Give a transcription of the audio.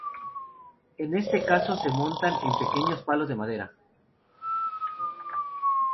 En este caso se montan en pequeños palos de madera.